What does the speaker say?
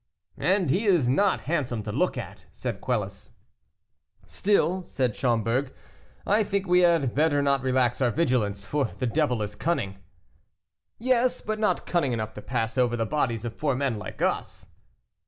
"And he is not handsome to look at," said Quelus. "Still," said Schomberg, "I think we had better not relax our vigilance, for the devil is cunning." "Yes, but not cunning enough to pass over the bodies of four men like us."